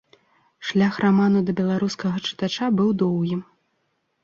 Шлях раману да беларускага чытача быў доўгім.